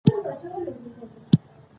جملې ،کلمې هم پکې راغلي دي.